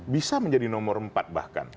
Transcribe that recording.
bisa menjadi nomor empat bahkan